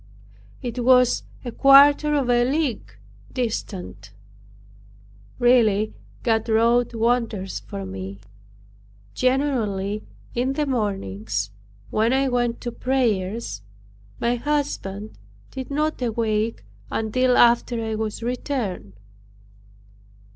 It was a quarter of a league distant. Really God wrought wonders for me. Generally, in the mornings when I went to prayers, my husband did not awake until after I was returned.